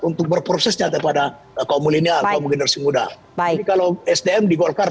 untuk berprosesnya terhadap pada komunitas komunitas muda baik kalau sdm di golkar